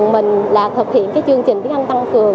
mình là thực hiện cái chương trình tiếng anh tăng cường